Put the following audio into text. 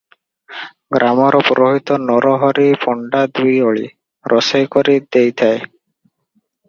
ଗ୍ରାମର ପୁରୋହିତ ନରହରି ପଣ୍ଡା ଦୁଇଓଳି ରୋଷେଇ କରି ଦେଇଯାଏ ।